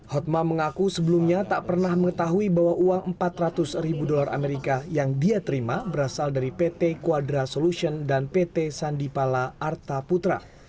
hotma mengaku sebelumnya tak pernah mengetahui bahwa uang empat ratus ribu dolar amerika yang dia terima berasal dari pt quadra solution dan pt sandipala arta putra